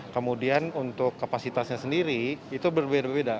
kemudian untuk kapasitasnya sendiri itu berbeda beda